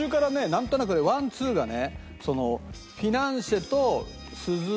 なんとなくワンツーがね。